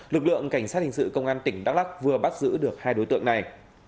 lực lượng cảnh sát hình sự công an tỉnh đắk lắc vừa bắt giữ được hai đối tượng này